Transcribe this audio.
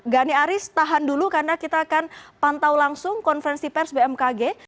gani aris tahan dulu karena kita akan pantau langsung konferensi pers bmkg